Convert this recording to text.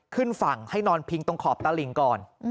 ขึ้นฝั่งให้นอนพิงตรงขอบตลิ่งก่อน